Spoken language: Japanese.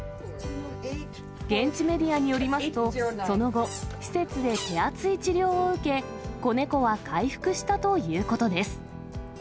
現地メディアによりますと、その後、施設で手厚い治療を受け、子猫は回復したということです。